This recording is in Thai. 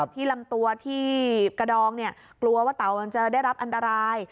ที่ลำตัวที่กระดองกลัวว่าเต่ามันจะได้รับอันตราย